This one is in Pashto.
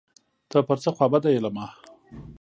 ته پر څه خوابدی یې له ما